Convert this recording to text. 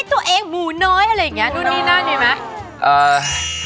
ตัวเองหมูน้อยอะไรอย่างเงี้ยนู่นนี่น่าจะมีไหม